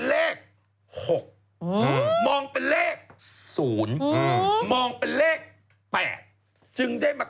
ปลาหมึกแท้เต่าทองอร่อยทั้งชนิดเส้นบดเต็มตัว